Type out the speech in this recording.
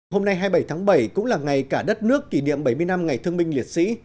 hôm nay hai mươi bảy tháng bảy cũng là ngày cả đất nước kỷ niệm bảy mươi năm ngày thương binh liệt sĩ